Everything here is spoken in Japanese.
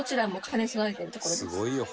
「すごいよ。